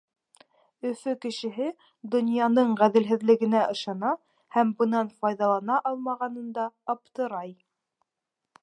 Өфө кешеһе донъяның ғәҙелһеҙлегенә ышана һәм бынан файҙалана алмағанында аптырай.